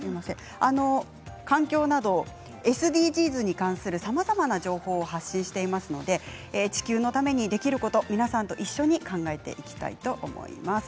環境などＳＤＧｓに関するさまざまな情報を発信していますので地球のためにできることを皆さんと一緒に考えていきたいと思います。